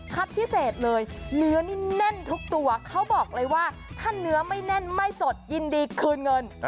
พิเศษเลยเนื้อนี่แน่นทุกตัวเขาบอกเลยว่าถ้าเนื้อไม่แน่นไม่สดยินดีคืนเงิน